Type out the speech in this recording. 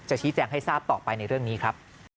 ชี้แจงให้ทราบต่อไปในเรื่องนี้ครับ